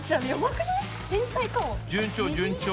順調順調。